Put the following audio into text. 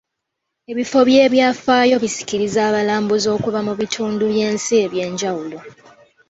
Ebifo eby'ebyafaayo bisikiriza abalambuzi okuva mu bitundu by'ensi eby'enjawulo.